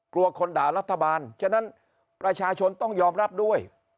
กลัวคนด่ารัฐบาลฉะนั้นประชาชนต้องยอมรับด้วย